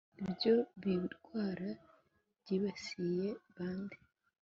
ibyo birwara byibasiye ba nde?